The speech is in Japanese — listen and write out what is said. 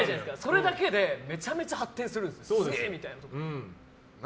それだけでめちゃめちゃ発展するんです。